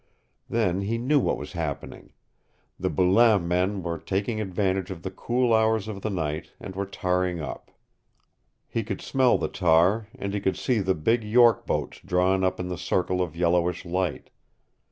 Then he knew what was happening. The Boulain men were taking advantage of the cool hours of the night and were tarring up. He could smell the tar, and he could see the big York boats drawn up in the circle of yellowish light.